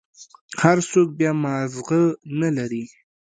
هر سوک بيا مازغه نلري.